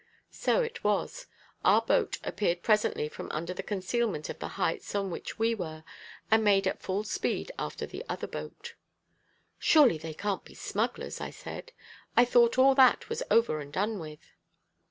So it was. Our boat appeared presently from under the concealment of the heights on which we were, and made at full speed after the other boat. "Surely they can't be smugglers," I said. "I thought all that was over and done with."